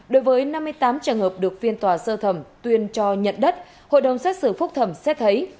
đối với năm mươi tám trường hợp được phiên tòa sơ thẩm tuyên cho nhận đất hội đồng xét xử phúc thẩm xét thấy